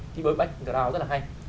cái background rất là hay